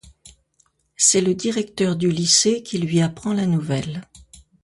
C'est le directeur du lycée qui lui apprend la nouvelle.